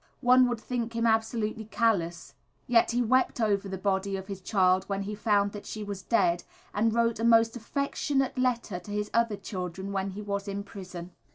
One would think him absolutely callous, yet he wept over the body of his child when he found that she was dead, and wrote most affectionate letters to his other children when he was in prison.